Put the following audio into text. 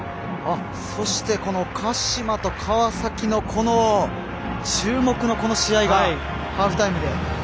そして鹿島と川崎の注目の試合はハーフタイムで。